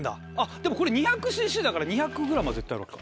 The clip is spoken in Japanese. でもこれ２００ｃｃだから２００ｇは絶対あるわけか。